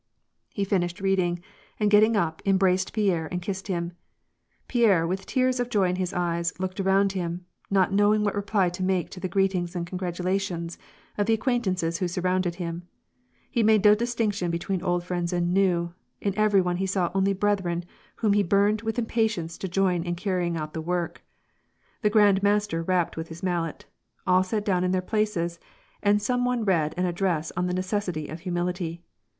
He finished reading, and getting up, embraced Pierre and kissed him. Pierre, with tears of joy in his eyes, looked around him, not knowing what reply to make to the greetings and congratulations of the acquaintances who surrounded him. He made no distinction between old friends and new: in every one he saw only brethren whom he buijied with impa tience to join in carrying out the work. The Grand Master rapped with his mallet. All sat down in their places, and some one read an address on the necessity of humility.